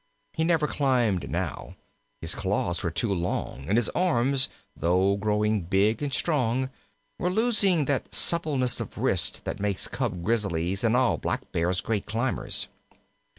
He never climbed now: his claws were too long, and his arms, though growing big and strong, were losing that suppleness of wrist that makes cub Grizzlies and all Blackbears great climbers.